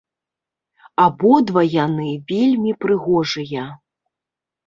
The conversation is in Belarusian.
Абодва яны вельмі прыгожыя.